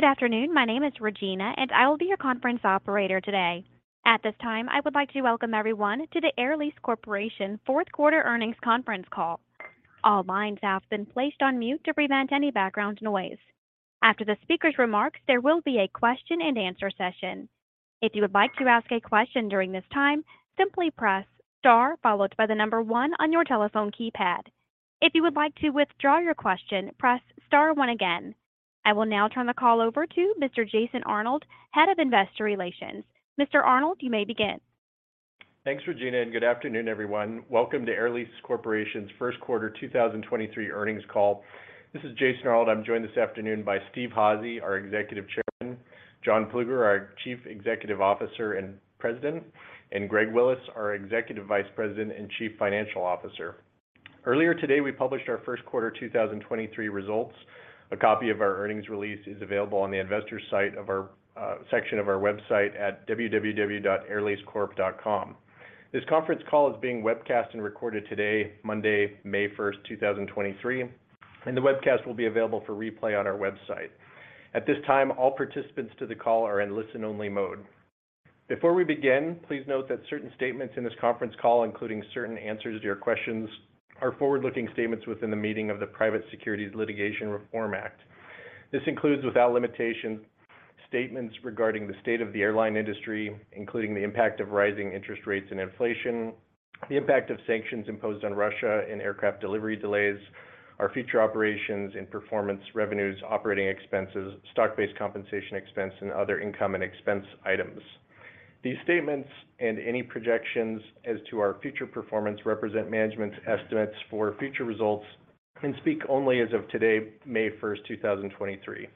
Good afternoon. My name is Regina, I will be your conference operator today. At this time, I would like to welcome everyone to the Air Lease Corporation fourth quarter earnings conference call. All lines have been placed on mute to prevent any background noise. After the speaker's remarks, there will be a question-and-answer session. If you would like to ask a question during this time, simply press star followed by the number one on your telephone keypad. If you would like to withdraw your question, press star one again. I will now turn the call over to Mr. Jason Arnold, Head of Investor Relations. Mr. Arnold, you may begin. Thanks, Regina. Good afternoon, everyone. Welcome to Air Lease Corporation's first quarter 2023 earnings call. This is Jason Arnold. I'm joined this afternoon by Steve Hazy, our Executive Chairman, John Plueger, our Chief Executive Officer and President, and Greg Willis, our Executive Vice President and Chief Financial Officer. Earlier today, we published our first quarter 2023 results. A copy of our earnings release is available on the investors site of our section of our website at www.airleasecorp.com. This conference call is being webcast and recorded today, Monday, May 1st, 2023. The webcast will be available for replay on our website. At this time, all participants to the call are in listen only mode. Before we begin, please note that certain statements in this conference call, including certain answers to your questions, are forward-looking statements within the meeting of the Private Securities Litigation Reform Act. This includes, without limitation, statements regarding the state of the airline industry, including the impact of rising interest rates and inflation, the impact of sanctions imposed on Russia and aircraft delivery delays, our future operations and performance revenues, operating expenses, stock-based compensation expense, and other income and expense items. These statements and any projections as to our future performance represent management's estimates for future results and speak only as of today, May 1st, 2023.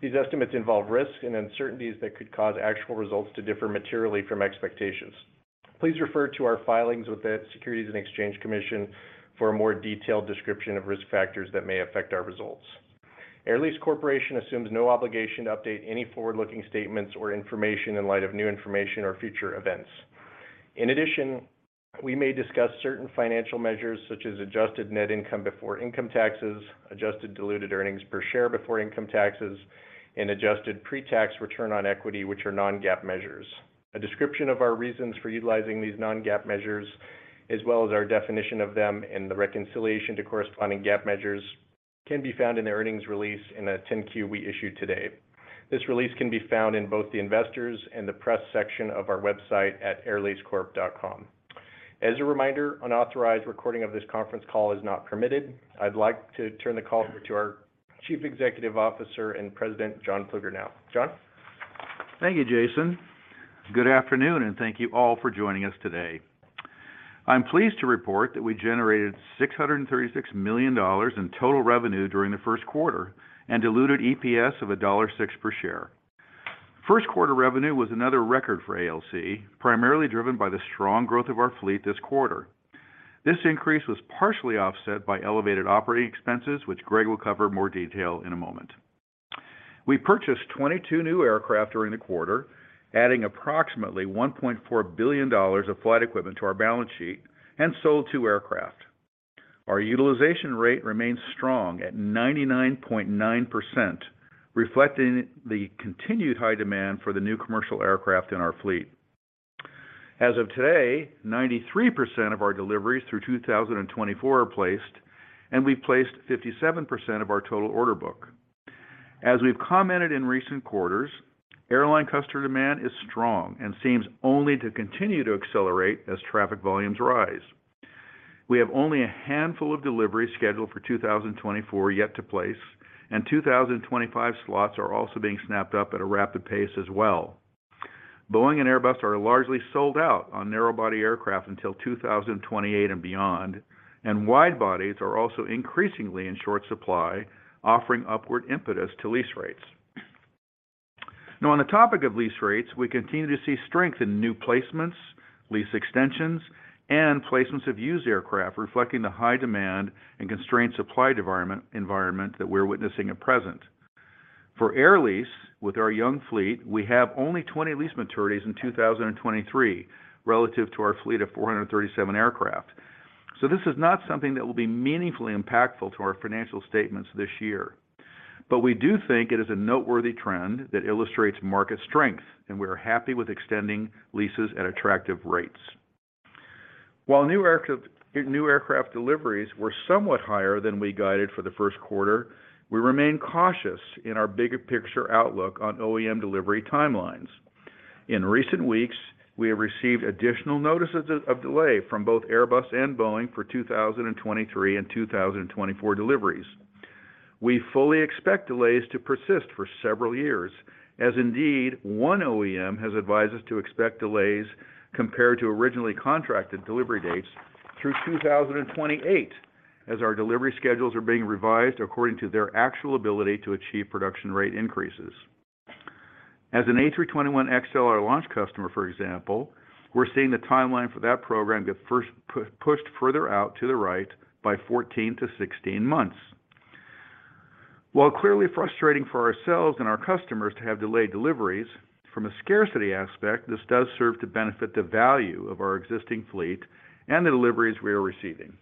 These estimates involve risks and uncertainties that could cause actual results to differ materially from expectations. Please refer to our filings with the Securities and Exchange Commission for a more detailed description of risk factors that may affect our results. Air Lease Corporation assumes no obligation to update any forward-looking statements or information in light of new information or future events. We may discuss certain financial measures such as adjusted net income before income taxes, adjusted diluted earnings per share before income taxes, and adjusted pre-tax return on equity, which are non-GAAP measures. A description of our reasons for utilizing these non-GAAP measures as well as our definition of them and the reconciliation to corresponding GAAP measures can be found in the earnings release in the 10-Q we issued today. This release can be found in both the investors and the press section of our website at airleasecorp.com. As a reminder, unauthorized recording of this conference call is not permitted. I'd like to turn the call over to our Chief Executive Officer and President, John Plueger now. John. Thank you, Jason. Good afternoon, and thank you all for joining us today. I'm pleased to report that we generated $636 million in total revenue during the first quarter and diluted EPS of $1.06 per share. First quarter revenue was another record for ALC, primarily driven by the strong growth of our fleet this quarter. This increase was partially offset by elevated operating expenses, which Greg will cover in more detail in a moment. We purchased 22 new aircraft during the quarter, adding approximately $1.4 billion of flight equipment to our balance sheet and sold two aircraft. Our utilization rate remains strong at 99.9%, reflecting the continued high demand for the new commercial aircraft in our fleet. As of today, 93% of our deliveries through 2024 are placed, and we've placed 57% of our total order book. As we've commented in recent quarters, airline customer demand is strong and seems only to continue to accelerate as traffic volumes rise. We have only a handful of deliveries scheduled for 2024 yet to place, and 2025 slots are also being snapped up at a rapid pace as well. Boeing and Airbus are largely sold out on narrowbody aircraft until 2028 and beyond, and widebodies are also increasingly in short supply, offering upward impetus to lease rates. Now on the topic of lease rates, we continue to see strength in new placements, lease extensions, and placements of used aircraft, reflecting the high demand and constrained supply environment that we're witnessing at present. For Air Lease, with our young fleet, we have only 20 lease maturities in 2023 relative to our fleet of 437 aircraft. This is not something that will be meaningfully impactful to our financial statements this year. We do think it is a noteworthy trend that illustrates market strength, and we are happy with extending leases at attractive rates. While new aircraft deliveries were somewhat higher than we guided for the first quarter, we remain cautious in our bigger picture outlook on OEM delivery timelines. In recent weeks, we have received additional notices of delay from both Airbus and Boeing for 2023 deliveries and 2024 deliveries. We fully expect delays to persist for several years, as indeed, one OEM has advised us to expect delays compared to originally contracted delivery dates through 2028 as our delivery schedules are being revised according to their actual ability to achieve production rate increases. As an A321XLR, our launch customer, for example, we're seeing the timeline for that program get pushed further out to the right by 14 months to 16 months. While clearly frustrating for ourselves and our customers to have delayed deliveries, from a scarcity aspect, this does serve to benefit the value of our existing fleet and the deliveries we are receiving.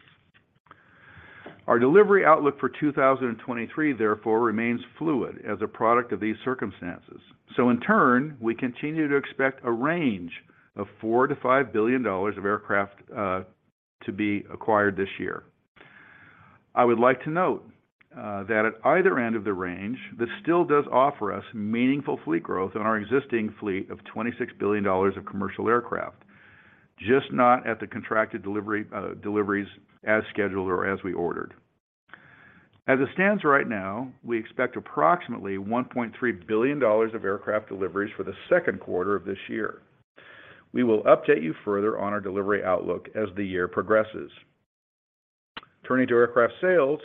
Our delivery outlook for 2023 remains fluid as a product of these circumstances. In turn, we continue to expect a range of $4 billion-$5 billion of aircraft to be acquired this year. I would like to note that at either end of the range, this still does offer us meaningful fleet growth on our existing fleet of $26 billion of commercial aircraft, just not at the contracted delivery deliveries as scheduled or as we ordered. As it stands right now, we expect approximately $1.3 billion of aircraft deliveries for the second quarter of this year. We will update you further on our delivery outlook as the year progresses. Turning to aircraft sales.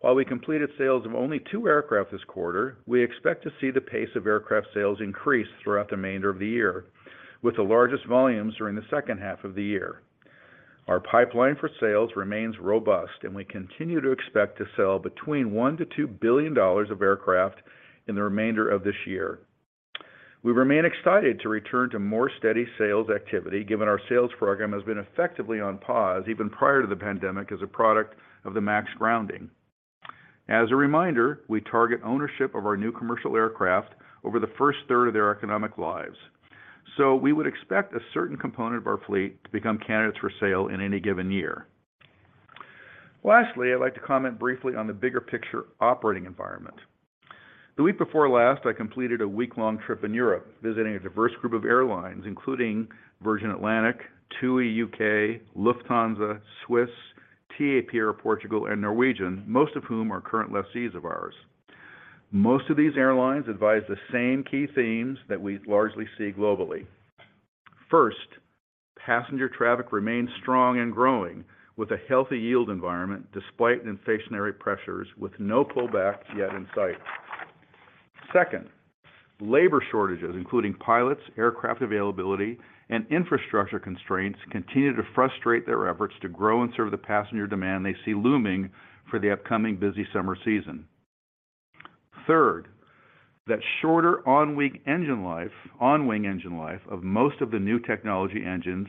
While we completed sales of only two aircraft this quarter, we expect to see the pace of aircraft sales increase throughout the remainder of the year, with the largest volumes during the second half of the year. Our pipeline for sales remains robust, and we continue to expect to sell between $1 billion-$2 billion of aircraft in the remainder of this year. We remain excited to return to more steady sales activity, given our sales program has been effectively on pause even prior to the pandemic as a product of the MAX grounding. As a reminder, we target ownership of our new commercial aircraft over the first third of their economic lives. We would expect a certain component of our fleet to become candidates for sale in any given year. Lastly, I'd like to comment briefly on the bigger picture operating environment. The week before last, I completed a week-long trip in Europe, visiting a diverse group of airlines, including Virgin Atlantic, TUI UK, Lufthansa, Swiss, TAP Air Portugal, and Norwegian, most of whom are current lessees of ours. Most of these airlines advise the same key themes that we largely see globally. First, passenger traffic remains strong and growing with a healthy yield environment despite inflationary pressures with no pullback yet in sight. Second, labor shortages, including pilots, aircraft availability, and infrastructure constraints, continue to frustrate their efforts to grow and serve the passenger demand they see looming for the upcoming busy summer season. Third, that shorter on-wing engine life of most of the new technology engines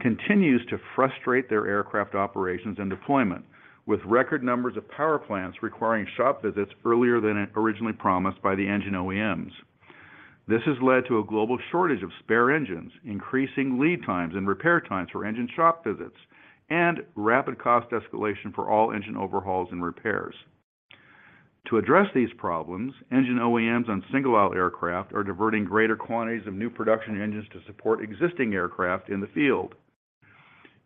continues to frustrate their aircraft operations and deployment, with record numbers of power plants requiring shop visits earlier than originally promised by the engine OEMs. This has led to a global shortage of spare engines, increasing lead times and repair times for engine shop visits, and rapid cost escalation for all engine overhauls and repairs. To address these problems, engine OEMs on single-aisle aircraft are diverting greater quantities of new production engines to support existing aircraft in the field.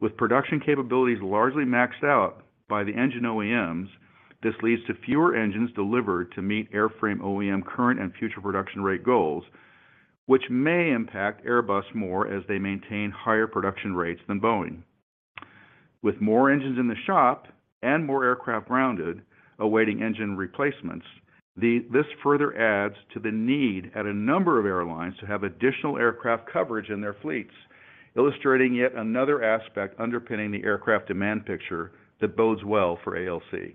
With production capabilities largely maxed out by the engine OEMs, this leads to fewer engines delivered to meet airframe OEM current and future production rate goals, which may impact Airbus more as they maintain higher production rates than Boeing. With more engines in the shop and more aircraft grounded awaiting engine replacements, this further adds to the need at a number of airlines to have additional aircraft coverage in their fleets, illustrating yet another aspect underpinning the aircraft demand picture that bodes well for ALC.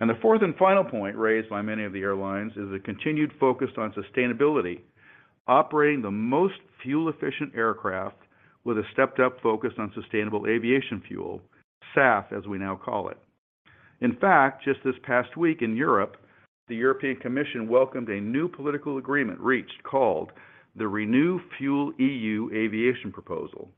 The fourth and final point raised by many of the airlines is a continued focus on sustainability, operating the most fuel-efficient aircraft with a stepped-up focus on sustainable aviation fuel, SAF, as we now call it. In fact, just this past week in Europe, the European Commission welcomed a new political agreement reached called the ReFuelEU Aviation Proposal.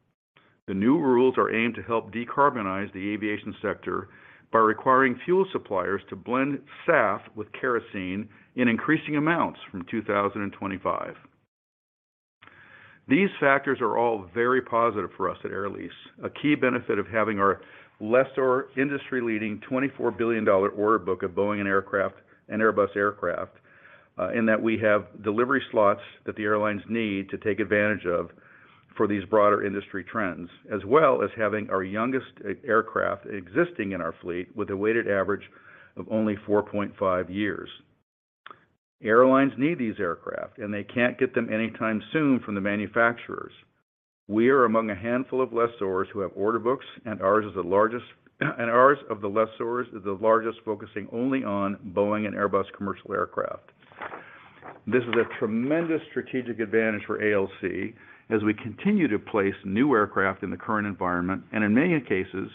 The new rules are aimed to help decarbonize the aviation sector by requiring fuel suppliers to blend SAF with kerosene in increasing amounts from 2025. These factors are all very positive for us at Air Lease, a key benefit of having our lessor industry-leading $24 billion order book of Boeing and Aircraft and Airbus aircraft, in that we have delivery slots that the airlines need to take advantage of for these broader industry trends, as well as having our youngest aircraft existing in our fleet with a weighted average of only four years and six months. Airlines need these aircraft, and they can't get them anytime soon from the manufacturers. We are among a handful of lessors who have order books, and ours of the lessors is the largest, focusing only on Boeing and Airbus commercial aircraft. This is a tremendous strategic advantage for ALC as we continue to place new aircraft in the current environment. In many cases,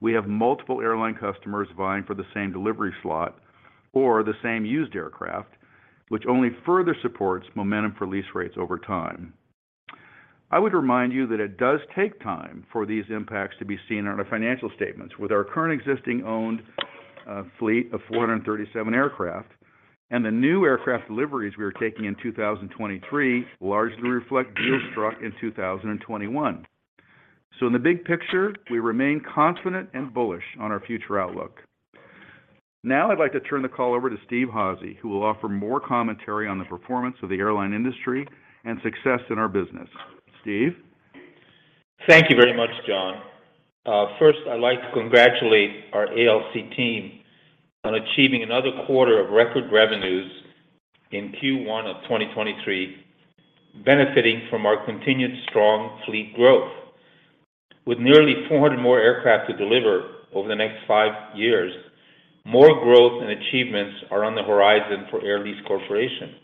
we have multiple airline customers vying for the same delivery slot or the same used aircraft, which only further supports momentum for lease rates over time. I would remind you that it does take time for these impacts to be seen on our financial statements. With our current existing owned fleet of 437 aircraft and the new aircraft deliveries we are taking in 2023 largely reflect deals struck in 2021. In the big picture, we remain confident and bullish on our future outlook. Now I'd like to turn the call over to Steve Hazy, who will offer more commentary on the performance of the airline industry and success in our business. Steve? Thank you very much, John. First, I'd like to congratulate our ALC team on achieving another quarter of record revenues in Q1 of 2023, benefiting from our continued strong fleet growth. With nearly 400 more aircraft to deliver over the next five years, more growth and achievements are on the horizon for Air Lease Corporation.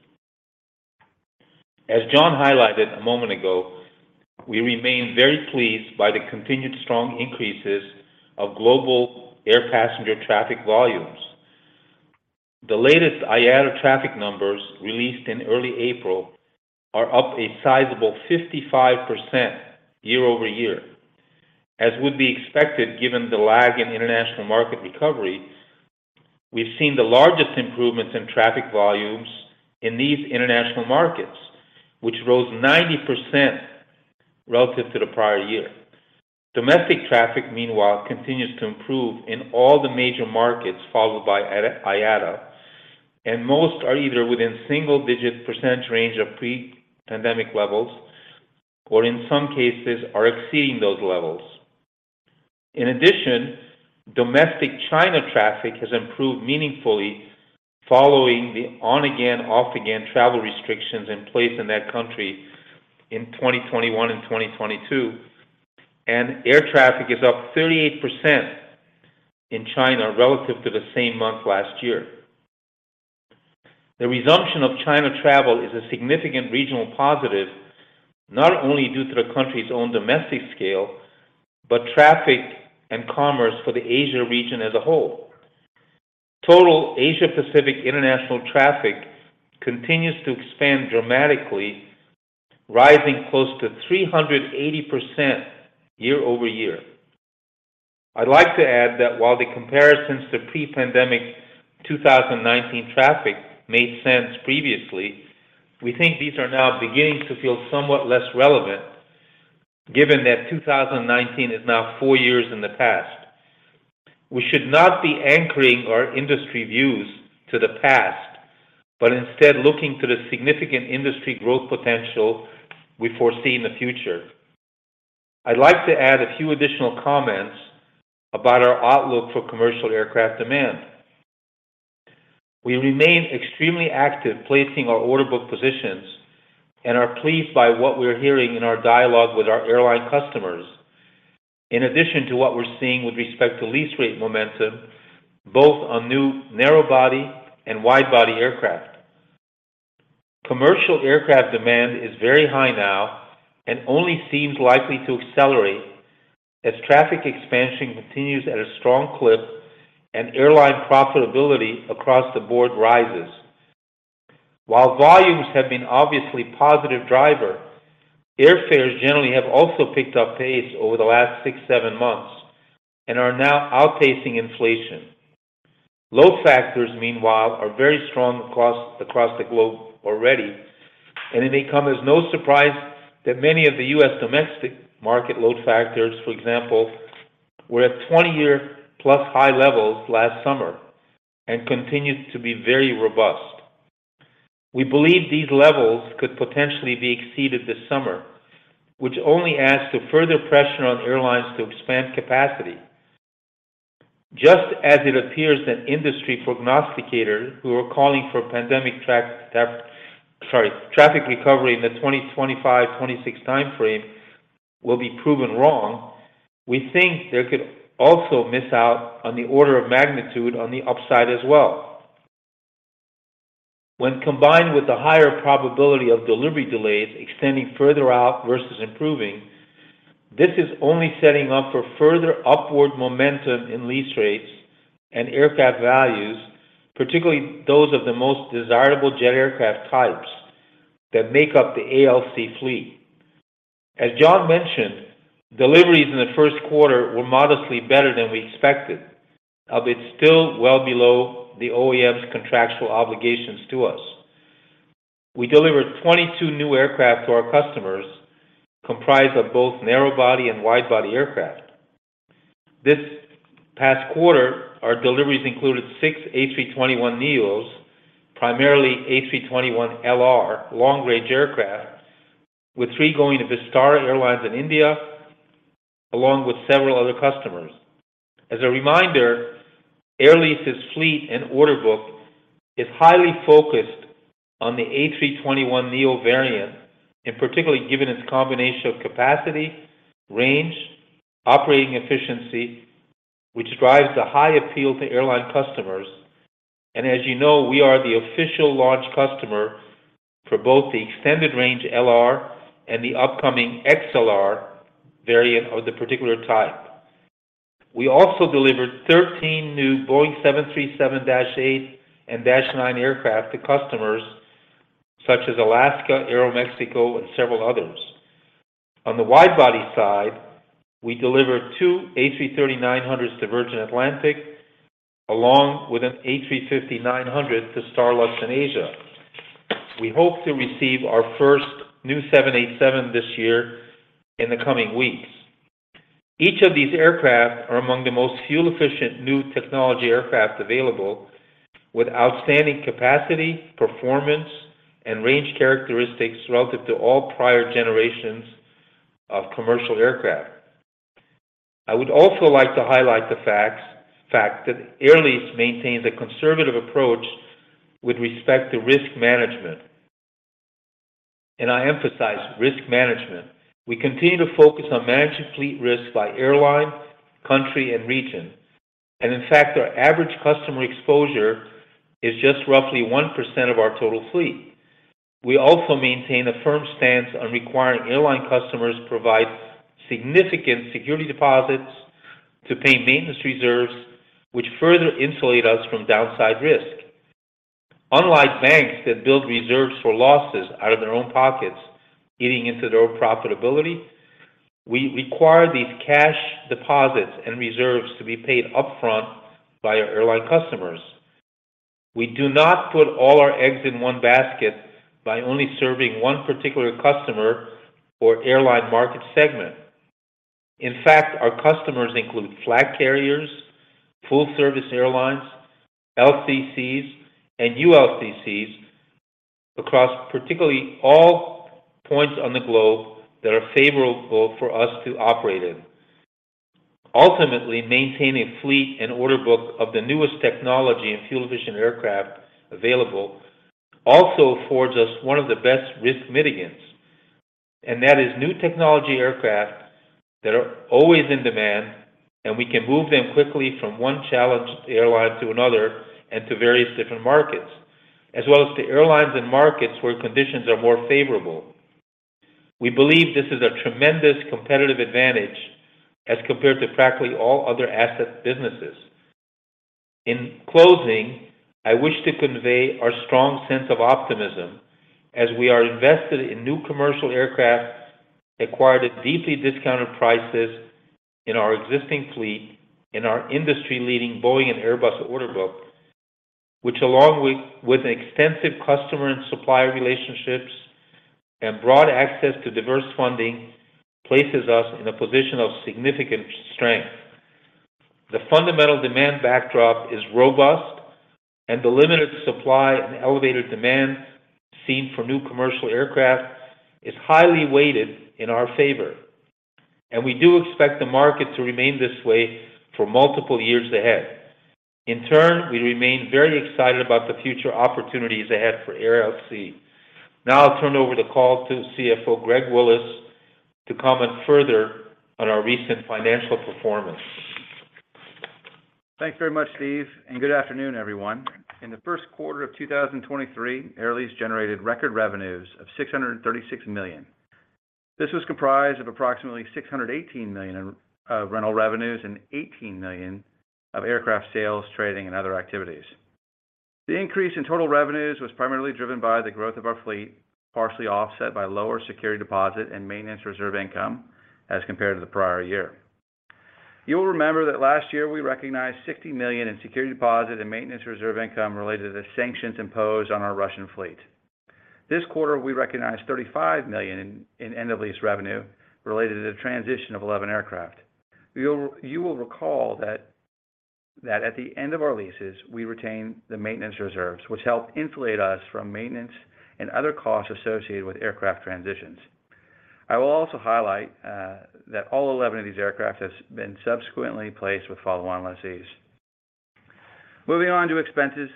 As John highlighted a moment ago, we remain very pleased by the continued strong increases of global air passenger traffic volumes. The latest IATA traffic numbers released in early April are up a sizable 55% year-over-year. As would be expected, given the lag in international market recovery, we've seen the largest improvements in traffic volumes in these international markets, which rose 90% relative to the prior year. Domestic traffic, meanwhile, continues to improve in all the major markets followed by IATA, and most are either within single-digit % range of pre-pandemic levels or in some cases are exceeding those levels. In addition, domestic China traffic has improved meaningfully following the on-again, off-again travel restrictions in place in that country in 2021 and 2022. Air traffic is up 38% in China relative to the same month last year. The resumption of China travel is a significant regional positive, not only due to the country's own domestic scale, but traffic and commerce for the Asia region as a whole. Total Asia-Pacific international traffic continues to expand dramatically, rising close to 380% year-over-year. I'd like to add that while the comparisons to pre-pandemic 2019 traffic made sense previously, we think these are now beginning to feel somewhat less relevant given that 2019 is now four years in the past. We should not be anchoring our industry views to the past, but instead looking to the significant industry growth potential we foresee in the future. I'd like to add a few additional comments about our outlook for commercial aircraft demand. We remain extremely active placing our order book positions and are pleased by what we're hearing in our dialogue with our airline customers. In addition to what we're seeing with respect to lease rate momentum, both on new narrow body and wide-body aircraft. Commercial aircraft demand is very high now and only seems likely to accelerate as traffic expansion continues at a strong clip and airline profitability across the board rises. While volumes have been obviously positive driver, airfares generally have also picked up pace over the last six, seven months and are now outpacing inflation. Load factors, meanwhile, are very strong across the globe already, and it may come as no surprise that many of the U.S. domestic market load factors, for example, were at 20-year-plus high levels last summer and continue to be very robust. We believe these levels could potentially be exceeded this summer, which only adds to further pressure on airlines to expand capacity. Just as it appears that industry prognosticators who are calling for pandemic traffic recovery in the 2025, 2026 time frame will be proven wrong, we think they could also miss out on the order of magnitude on the upside as well. When combined with the higher probability of delivery delays extending further out versus improving, this is only setting up for further upward momentum in lease rates and aircraft values, particularly those of the most desirable jet aircraft types that make up the ALC fleet. As John mentioned, deliveries in the first quarter were modestly better than we expected, albeit still well below the OEM's contractual obligations to us. We delivered 22 new aircraft to our customers, comprised of both narrow-body and wide-body aircraft. This past quarter, our deliveries included six A321neos, primarily A321LR long-range aircraft, with three going to Vistara Airlines in India, along with several other customers. As a reminder, Air Lease's fleet and order book is highly focused on the A321neo variant, and particularly given its combination of capacity, range, operating efficiency, which drives the high appeal to airline customers. As you know, we are the official launch customer for both the extended range LR and the upcoming XLR variant of the particular type. We also delivered 13 new Boeing 737-8 and -9 aircraft to customers such as Alaska, Aeroméxico, and several others. On the wide-body side, we delivered two A330-900s to Virgin Atlantic, along with an A350-900 to STARLUX in Asia. We hope to receive our first new 787 this year in the coming weeks. Each of these aircraft are among the most fuel-efficient new technology aircraft available, with outstanding capacity, performance, and range characteristics relative to all prior generations of commercial aircraft. I would also like to highlight the fact that Air Lease maintains a conservative approach with respect to risk management, and I emphasize risk management. We continue to focus on managing fleet risk by airline, country, and region. In fact, our average customer exposure is just roughly 1% of our total fleet. We also maintain a firm stance on requiring airline customers provide significant security deposits to pay maintenance reserves, which further insulate us from downside risk. Unlike banks that build reserves for losses out of their own pockets, getting into their own profitability, we require these cash deposits and reserves to be paid upfront by our airline customers. We do not put all our eggs in one basket by only serving one particular customer or airline market segment. In fact, our customers include flag carriers, full service airlines, LCCs and ULCCs across particularly all points on the globe that are favorable for us to operate in. Ultimately, maintaining a fleet and order book of the newest technology and fuel-efficient aircraft available also affords us one of the best risk mitigants. That is new technology aircraft that are always in demand, and we can move them quickly from one challenged airline to another and to various different markets, as well as to airlines and markets where conditions are more favorable. We believe this is a tremendous competitive advantage as compared to practically all other asset businesses. In closing, I wish to convey our strong sense of optimism as we are invested in new commercial aircraft, acquired at deeply discounted prices in our existing fleet, in our industry-leading Boeing and Airbus order book, which along with an extensive customer and supplier relationships and broad access to diverse funding, places us in a position of significant strength. The fundamental demand backdrop is robust and the limited supply and elevated demand seen for new commercial aircraft is highly weighted in our favor. We do expect the market to remain this way for multiple years ahead. In turn, we remain very excited about the future opportunities ahead for ALC. Now I'll turn over the call to CFO Greg Willis to comment further on our recent financial performance. Thanks very much, Steve. Good afternoon, everyone. In the first quarter of 2023, Air Lease generated record revenues of $636 million. This was comprised of approximately $618 million of rental revenues and $18 million of aircraft sales, trading, and other activities. The increase in total revenues was primarily driven by the growth of our fleet, partially offset by lower security deposit and maintenance reserve income as compared to the prior year. You will remember that last year, we recognized $60 million in security deposit and maintenance reserve income related to the sanctions imposed on our Russian fleet. This quarter, we recognized $35 million in end-of-lease revenue related to the transition of 11 aircraft. You will recall that at the end of our leases, we retain the maintenance reserves, which help insulate us from maintenance and other costs associated with aircraft transitions. I will also highlight that all 11 of these aircraft has been subsequently placed with follow-on lessees. Moving on to expenses.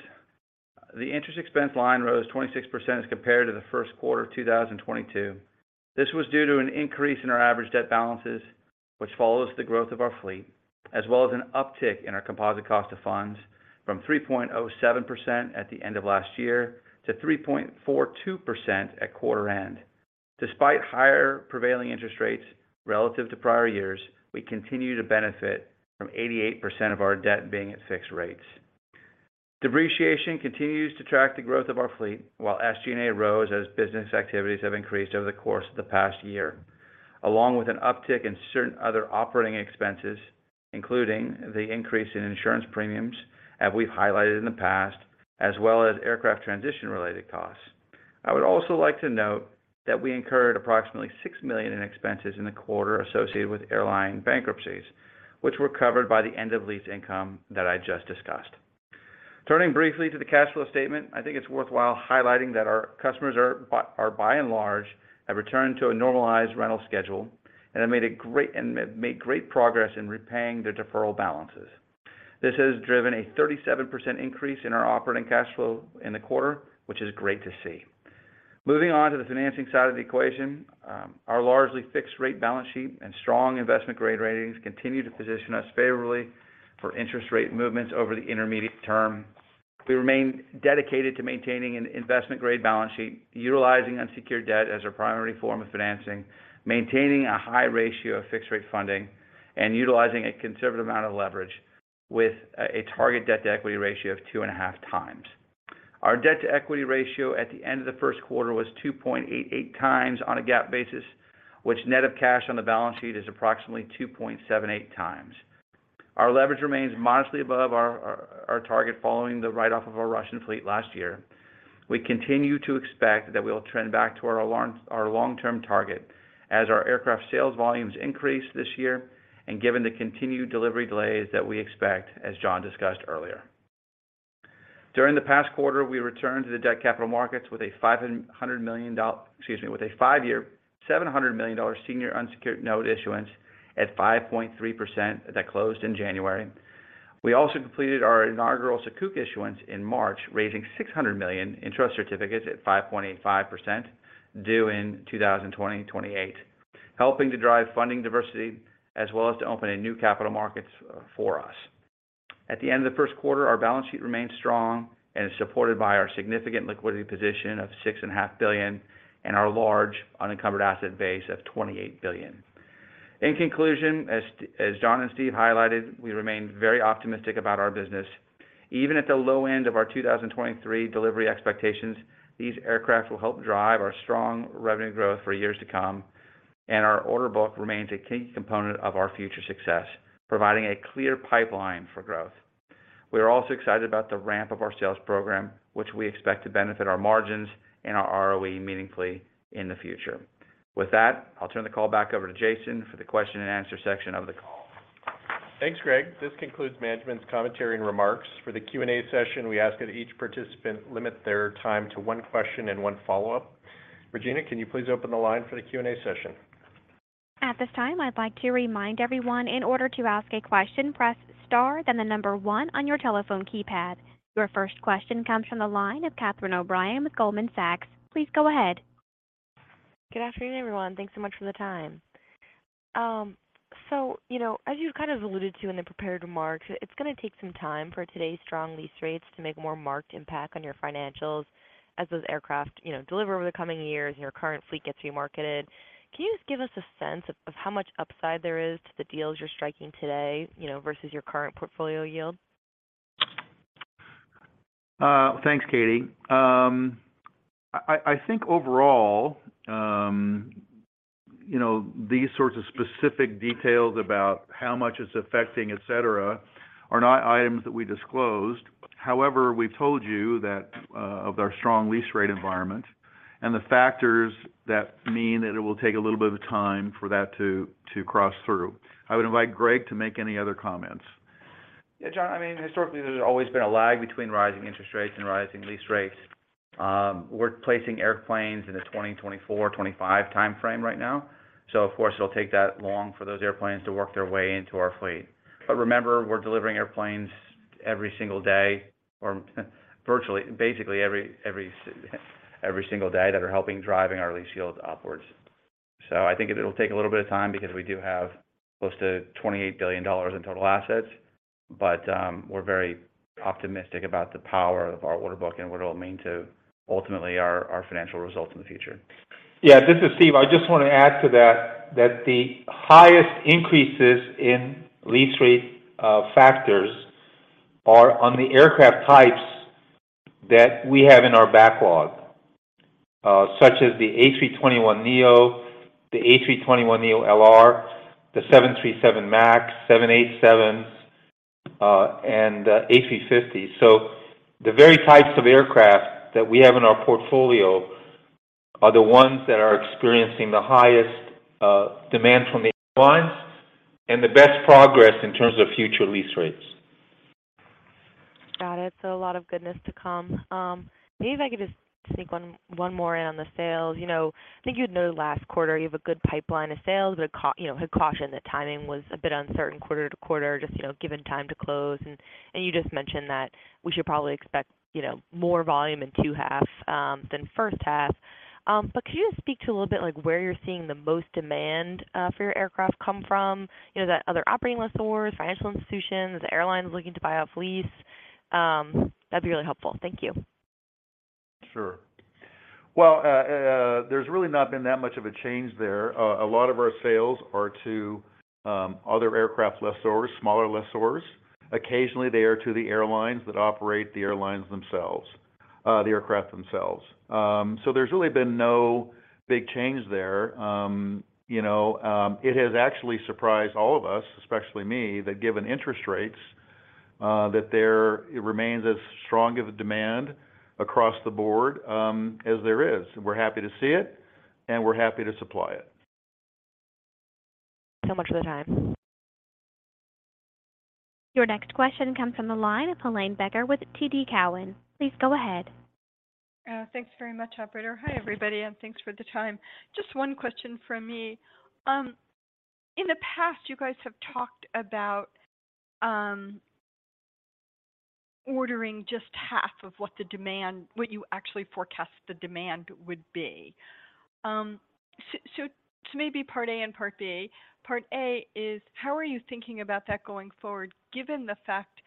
The interest expense line rose 26% as compared to the first quarter of 2022. This was due to an increase in our average debt balances, which follows the growth of our fleet, as well as an uptick in our composite cost of funds from 3.07% at the end of last year to 3.42% at quarter end. Despite higher prevailing interest rates relative to prior years, we continue to benefit from 88% of our debt being at fixed rates. Depreciation continues to track the growth of our fleet, while SG&A rose as business activities have increased over the course of the past year, along with an uptick in certain other operating expenses, including the increase in insurance premiums, as we've highlighted in the past, as well as aircraft transition-related costs. I would also like to note that we incurred approximately $6 million in expenses in the quarter associated with airline bankruptcies, which were covered by the end of lease income that I just discussed. Turning briefly to the cash flow statement, I think it's worthwhile highlighting that our customers are by and large have returned to a normalized rental schedule and made great progress in repaying their deferral balances. This has driven a 37% increase in our operating cash flow in the quarter, which is great to see. Moving on to the financing side of the equation, our largely fixed rate balance sheet and strong investment grade ratings continue to position us favorably for interest rate movements over the intermediate term. We remain dedicated to maintaining an investment grade balance sheet, utilizing unsecured debt as our primary form of financing, maintaining a high ratio of fixed rate funding and utilizing a conservative amount of leverage with a target debt-to-equity ratio of two and a half times. Our debt-to-equity ratio at the end of the first quarter was 2.88 times on a GAAP basis, which net of cash on the balance sheet is approximately 2.78 times. Our leverage remains modestly above our target following the write-off of our Russian fleet last year. We continue to expect that we'll trend back to our long-term target as our aircraft sales volumes increase this year and given the continued delivery delays that we expect, as John discussed earlier. During the past quarter, we returned to the debt capital markets with a $500 million, excuse me, with a five-year $700 million senior unsecured note issuance at 5.3% that closed in January. We also completed our inaugural Sukuk issuance in March, raising $600 million in trust certificates at 5.85% due in 2028. Helping to drive funding diversity, as well as to open a new capital markets for us. At the end of the first quarter, our balance sheet remains strong and is supported by our significant liquidity position of $6.5 billion and our large unencumbered asset base of $28 billion. In conclusion, as John and Steve highlighted, we remain very optimistic about our business. Even at the low end of our 2023 delivery expectations, these aircraft will help drive our strong revenue growth for years to come. Our order book remains a key component of our future success, providing a clear pipeline for growth. We are also excited about the ramp of our sales program, which we expect to benefit our margins and our ROE meaningfully in the future. With that, I'll turn the call back over to Jason for the question and answer section of the call. Thanks, Greg. This concludes management's commentary and remarks. For the Q&A session, we ask that each participant limit their time to one question and one follow-up. Regina, can you please open the line for the Q&A session? At this time, I'd like to remind everyone, in order to ask a question, press star then the number one on your telephone keypad. Your first question comes from the line of Catherine O'Brien with Goldman Sachs. Please go ahead. Good afternoon, everyone. Thanks so much for the time. You know, as you kind of alluded to in the prepared remarks, it's gonna take some time for today's strong lease rates to make more marked impact on your financials as those aircraft, you know, deliver over the coming years and your current fleet gets remarketed. Can you just give us a sense of how much upside there is to the deals you're striking today, you know, versus your current portfolio yield? Thanks, Katie. I think overall, you know, these sorts of specific details about how much it's affecting, et cetera, are not items that we disclosed. However, we've told you that, of our strong lease rate environment and the factors that mean that it will take a little bit of time for that to cross through. I would invite Greg to make any other comments. John, I mean, historically, there's always been a lag between rising interest rates and rising lease rates. We're placing airplanes in the 2024, 25 timeframe right now, of course, it'll take that long for those airplanes to work their way into our fleet. Remember, we're delivering airplanes every single day, or virtually, basically every single day that are helping driving our lease yields upwards. I think it'll take a little bit of time because we do have close to $28 billion in total assets, but we're very optimistic about the power of our order book and what it'll mean to ultimately our financial results in the future. Yeah, this is Steve. I just want to add to that the highest increases in lease rate, factors are on the aircraft types that we have in our backlog, such as the A321neo, the A321LR, the 737 MAX, 787s, and A350. The very types of aircraft that we have in our portfolio are the ones that are experiencing the highest demand from the airlines and the best progress in terms of future lease rates. Got it. A lot of goodness to come. Maybe if I could just sneak one more in on the sales. You know, I think you'd know last quarter you have a good pipeline of sales, but you know, had cautioned that timing was a bit uncertain quarter to quarter, just, you know, given time to close, and you just mentioned that we should probably expect, you know, more volume in two half than first half. Could you just speak to a little bit, like, where you're seeing the most demand for your aircraft come from? You know, is that other operating lessors, financial institutions, the airlines looking to buy off lease? That'd be really helpful. Thank you. Sure. There's really not been that much of a change there. A lot of our sales are to other aircraft lessors, smaller lessors. Occasionally, they are to the airlines that operate the aircraft themselves. There's really been no big change there. You know, it has actually surprised all of us, especially me, that given interest rates, that there it remains as strong of a demand across the board as there is. We're happy to see it, and we're happy to supply it. Much for the time. Your next question comes from the line of Helane Becker with TD Cowen. Please go ahead. Thanks very much, operator. Hi, everybody, and thanks for the time. Just one question from me. In the past, you guys have talked about ordering just half of what you actually forecast the demand would be. So to me, part A and part B. Part A is, how are you thinking about that going forward, given the fact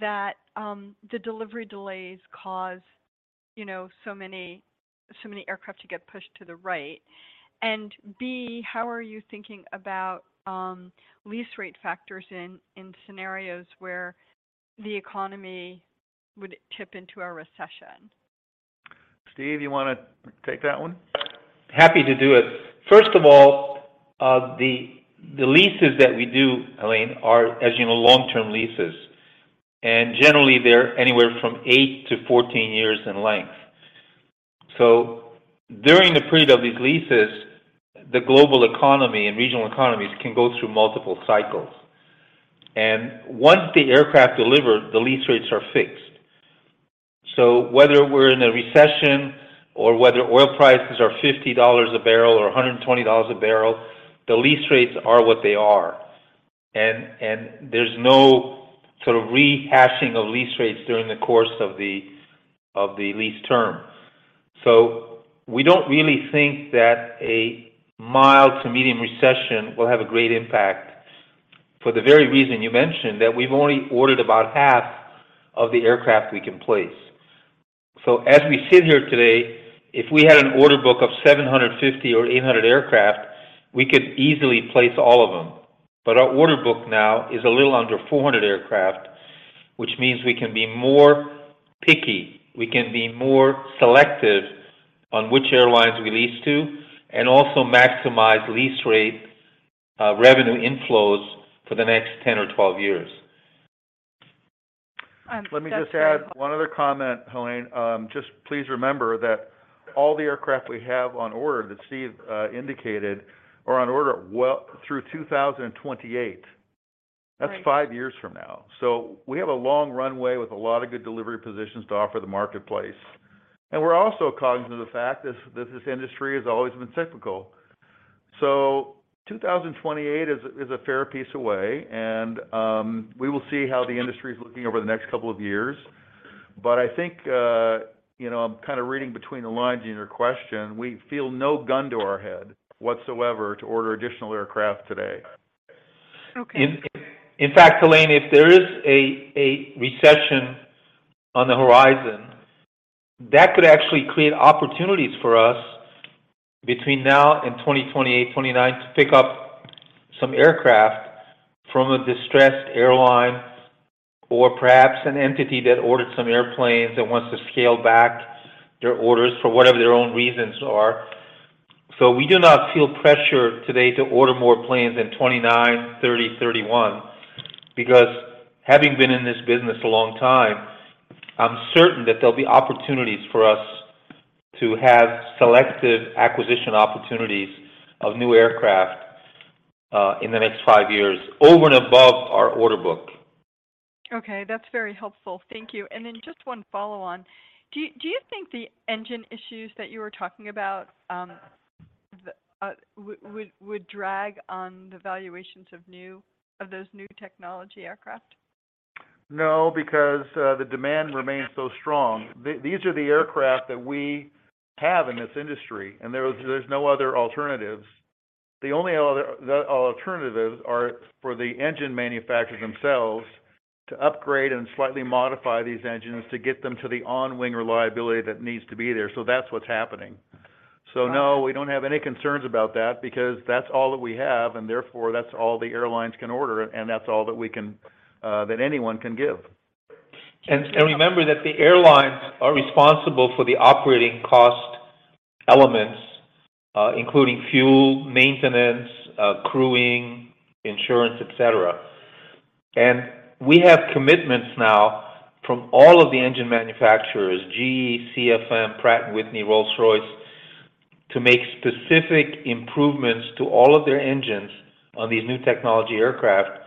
that the delivery delays cause, you know, so many aircraft to get pushed to the right? B, how are you thinking about lease rate factors in scenarios where the economy would tip into a recession? Steve, you wanna take that one? Happy to do it. First of all, the leases that we do, Helane, are, as you know, long-term leases, and generally, they're anywhere from eight years to 14 years in length. During the period of these leases, the global economy and regional economies can go through multiple cycles. Once the aircraft deliver, the lease rates are fixed. Whether we're in a recession or whether oil prices are $50 a barrel or $120 a barrel, the lease rates are what they are. There's no sort of rehashing of lease rates during the course of the lease term. We don't really think that a mild to medium recession will have a great impact for the very reason you mentioned, that we've only ordered about half of the aircraft we can place. As we sit here today, if we had an order book of 750 aircraft or 800 aircraft, we could easily place all of them. Our order book now is a little under 400 aircraft, which means we can be more picky. We can be more selective on which airlines we lease to and also maximize lease rate revenue inflows for the next 10 years or 12 years. That's great. Let me just add one other comment, Helane. Just please remember that all the aircraft we have on order that Steve indicated are on order well through 2028. Right. That's five years from now. We have a long runway with a lot of good delivery positions to offer the marketplace. We're also cognizant of the fact that this industry has always been cyclical. 2028 is a fair piece away, and we will see how the industry is looking over the next couple of years. I think, you know, I'm kind of reading between the lines in your question, we feel no gun to our head whatsoever to order additional aircraft today. Okay. In fact, Helane, if there is a recession on the horizon, that could actually create opportunities for us between now and 2028, 2029 to pick up some aircraft from a distressed airline or perhaps an entity that ordered some airplanes and wants to scale back their orders for whatever their own reasons are. We do not feel pressure today to order more planes in 2029, 2030, 2031 because having been in this business a long time, I'm certain that there'll be opportunities for us to have selective acquisition opportunities of new aircraft in the next five years over and above our order book. Okay, that's very helpful. Thank you. Just one follow on. Do you think the engine issues that you were talking about would drag on the valuations of new, of those new technology aircraft? No, because the demand remains so strong. These are the aircraft that we have in this industry, and there's no other alternatives. The alternatives are for the engine manufacturers themselves to upgrade and slightly modify these engines to get them to the on-wing reliability that needs to be there. That's what's happening. No, we don't have any concerns about that because that's all that we have, and therefore that's all the airlines can order, and that's all that we can that anyone can give. Remember that the airlines are responsible for the operating cost elements, including fuel, maintenance, crewing, insurance, et cetera. We have commitments now from all of the engine manufacturers, GE, CFM, Pratt & Whitney, Rolls-Royce, to make specific improvements to all of their engines on these new technology aircraft.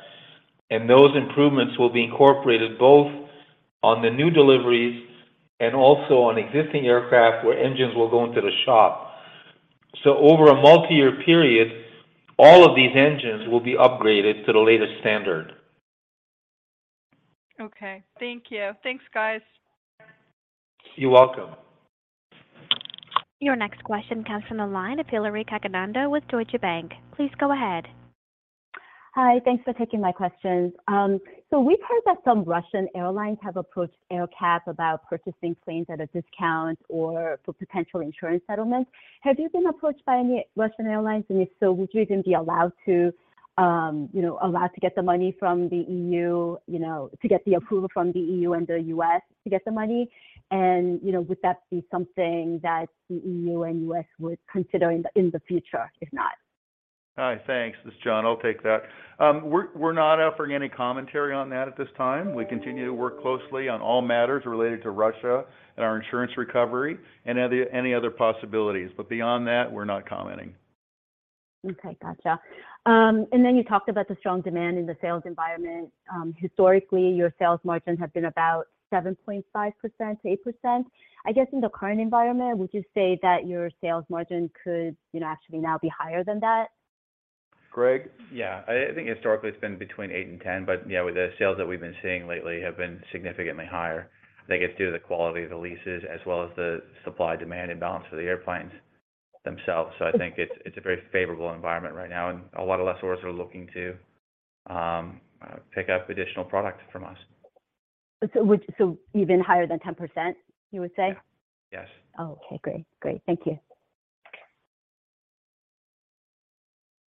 Those improvements will be incorporated both on the new deliveries and also on existing aircraft where engines will go into the shop. Over a multi-year period, all of these engines will be upgraded to the latest standard. Okay. Thank you. Thanks, guys. You're welcome. Your next question comes from the line of Hillary Cacanando with Deutsche Bank. Please go ahead. Hi. Thanks for taking my questions. We've heard that some Russian airlines have approached AerCap about purchasing planes at a discount or for potential insurance settlements. Have you been approached by any Russian airlines? If so, would you even be allowed to, you know, allowed to get the money from the EU, you know, to get the approval from the EU and the US to get the money? You know, would that be something that the EU and US would consider in the, in the future, if not? Hi. Thanks. This is John. I'll take that. We're not offering any commentary on that at this time. We continue to work closely on all matters related to Russia and our insurance recovery and any other possibilities. Beyond that, we're not commenting. Okay, gotcha. you talked about the strong demand in the sales environment. historically, your sales margin have been about 7.5%-8%. I guess in the current environment, would you say that your sales margin could, you know, actually now be higher than that? Greg? I think historically it's been between 8 and 10. You know, with the sales that we've been seeing lately have been significantly higher, I think it's due to the quality of the leases as well as the supply-demand imbalance for the airplanes themselves. I think it's a very favorable environment right now. A lot of lessors are looking to pick up additional product from us. Even higher than 10%, you would say? Yeah. Yes. Oh, okay. Great. Thank you. Okay.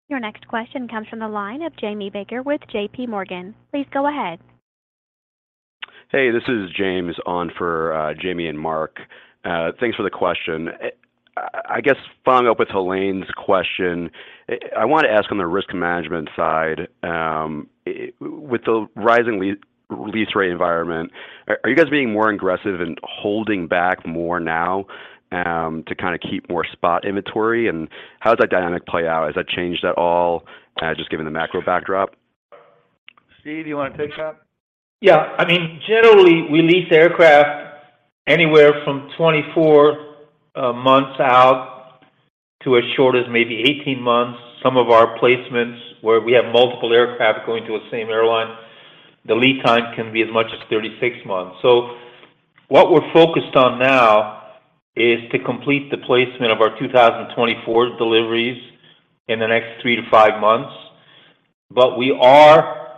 Your next question comes from the line of Jamie Baker with JP Morgan. Please go ahead. Hey, this is James on for Jamie and Mark. Thanks for the question. I guess following up with Helane's question, I wanna ask on the risk management side, with the rising lease rate environment, are you guys being more aggressive and holding back more now, to kind of keep more spot inventory? How does that dynamic play out? Has that changed at all, just given the macro backdrop? Steve, you wanna take that? I mean, generally, we lease the aircraft anywhere from 24 months out to as short as maybe 18 months. Some of our placements where we have multiple aircraft going to the same airline, the lead time can be as much as 36 months. What we're focused on now is to complete the placement of our 2024 deliveries in the next three months - five months. We are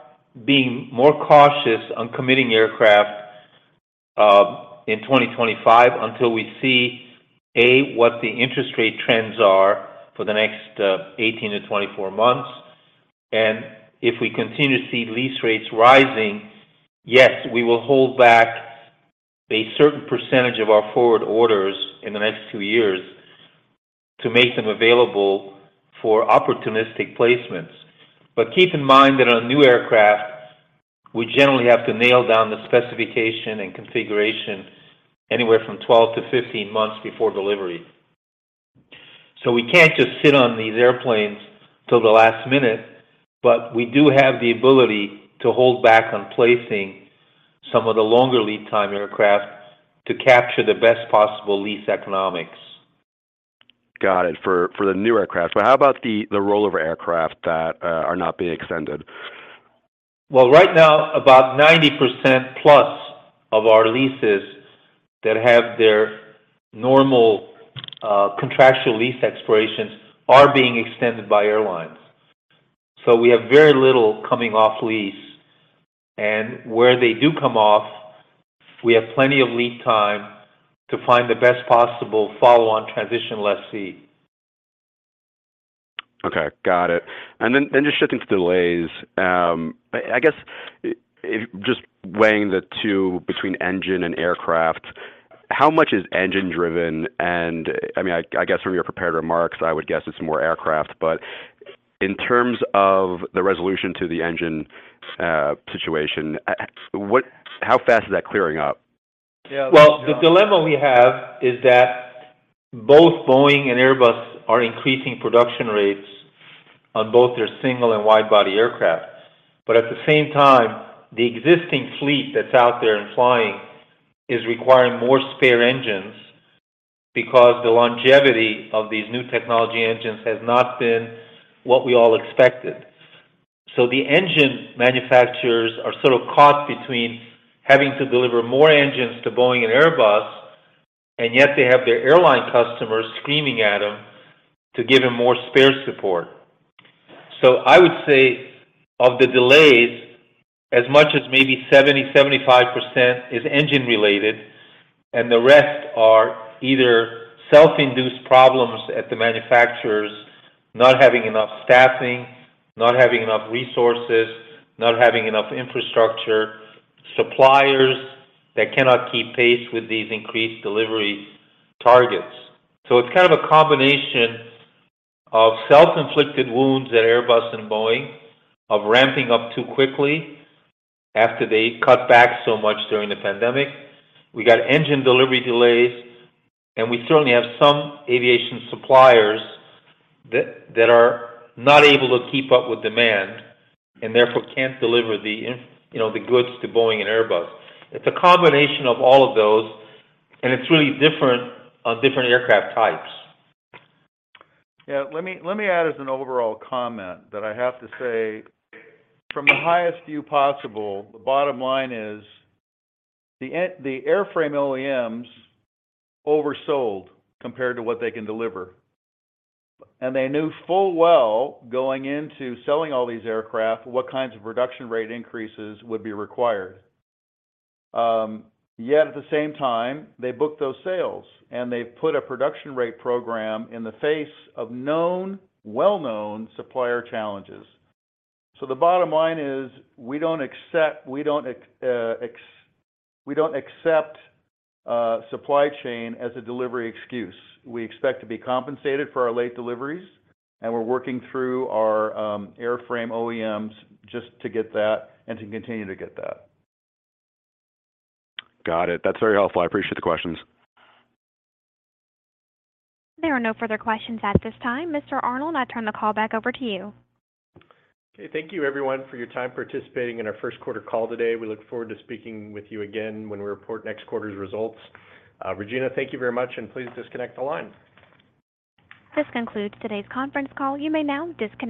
being more cautious on committing aircraft in 2025 until we see, A. what the interest rate trends are for the next 18 months - 24 months. If we continue to see lease rates rising, yes, we will hold back a certain percentage of our forward orders in the next two years to make them available for opportunistic placements. Keep in mind that on new aircraft, we generally have to nail down the specification and configuration anywhere from 12 months - 15 months before delivery. We can't just sit on these airplanes till the last minute, but we do have the ability to hold back on placing some of the longer lead time aircraft to capture the best possible lease economics. Got it. For the new aircraft. How about the rollover aircraft that are not being extended? Right now, about 90% plus of our leases that have their normal contractual lease expirations are being extended by airlines. We have very little coming off lease. Where they do come off, we have plenty of lead time to find the best possible follow-on transition lessee. Okay. Got it. Just shifting to delays. I guess just weighing the two between engine and aircraft, how much is engine driven? I mean, I guess from your prepared remarks, I would guess it's more aircraft. In terms of the resolution to the engine, situation, how fast is that clearing up? The dilemma we have is that both Boeing and Airbus are increasing production rates on both their single and wide-body aircraft. At the same time, the existing fleet that's out there and flying is requiring more spare engines because the longevity of these new technology engines has not been what we all expected. The engine manufacturers are sort of caught between having to deliver more engines to Boeing and Airbus, and yet they have their airline customers screaming at them to give them more spare support. I would say of the delays, as much as maybe 70%-75% is engine related, and the rest are either self-induced problems at the manufacturers, not having enough staffing, not having enough resources, not having enough infrastructure, suppliers that cannot keep pace with these increased delivery targets. It's kind of a combination of self-inflicted wounds at Airbus and Boeing of ramping up too quickly after they cut back so much during the pandemic. We got engine delivery delays, and we certainly have some aviation suppliers that are not able to keep up with demand and therefore can't deliver you know, the goods to Boeing and Airbus. It's a combination of all of those, and it's really different on different aircraft types. Yeah. Let me add as an overall comment that I have to say from the highest view possible, the bottom line is the airframe OEMs oversold compared to what they can deliver. They knew full well going into selling all these aircraft what kinds of production rate increases would be required. Yet at the same time, they booked those sales, and they put a production rate program in the face of known, well-known supplier challenges. The bottom line is, we don't accept supply chain as a delivery excuse. We expect to be compensated for our late deliveries, and we're working through our airframe OEMs just to get that and to continue to get that. Got it. That's very helpful. I appreciate the questions. There are no further questions at this time. Mr. Arnold, I turn the call back over to you. Okay. Thank you everyone for your time participating in our first quarter call today. We look forward to speaking with you again when we report next quarter's results. Regina, thank you very much, and please disconnect the line. This concludes today's conference call. You may now disconnect.